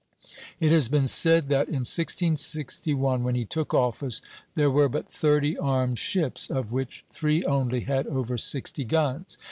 It has been said that in 1661, when he took office, there were but thirty armed ships, of which three only had over sixty guns.